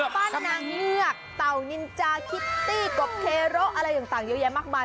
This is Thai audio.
พัฒนางเงือกต๋านินจาคิตตี้ก็เคโรอะไรอย่างต่างเยอะแยะมากมาย